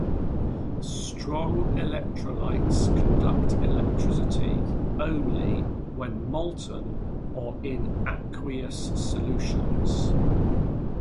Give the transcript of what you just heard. Strong electrolytes conduct electricity "only" when molten or in aqueous solutions.